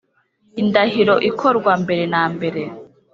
indahiro ikorwa mbere na mbere